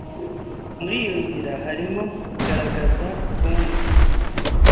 Muri iyo nzira harimo kugaragaza kumva